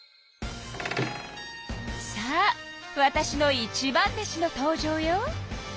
さあわたしの一番弟子の登場よ。